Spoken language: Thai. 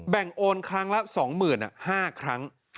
แบ่งโอนครั้งละ๒๕๐๐๐ครั้ง